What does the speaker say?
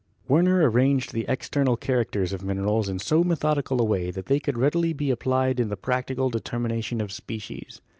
Werner arranged the external characters of minerals in so methodical a way that they could readily be applied in the practical determination of species.